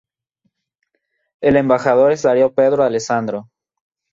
El Embajador es Darío Pedro Alessandro.